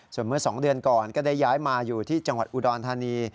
ส่วนเมื่อ๒เดือนก่อนก็ได้ย้ายมาอยู่ที่จังหวัดอุดรธานี